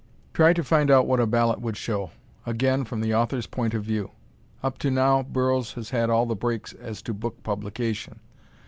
Try to find out what a ballot would show. Again, from the author's point of view. Up to now, Burroughs has had all the breaks as to book publication.